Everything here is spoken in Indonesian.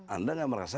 anda tidak merasakan